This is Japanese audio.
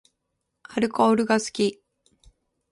アルコールが好き